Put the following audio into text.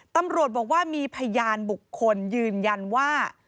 ตำรวจบอกว่ามีพยานบุคคลยืนยันว่า